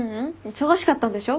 忙しかったんでしょ？